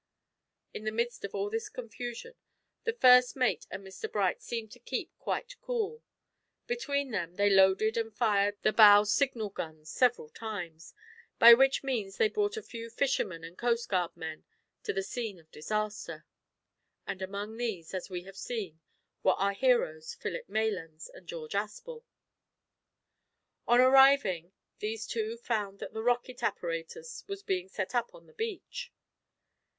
In the midst of all this confusion the first mate and Mr Bright seemed to keep quite cool. Between them they loaded and fired the bow signal guns several times, by which means they brought a few fishermen and coastguard men to the scene of disaster. And among these, as we have seen, were our heroes, Philip Maylands and George Aspel. On arriving, these two found that the rocket apparatus was being set up on the beach.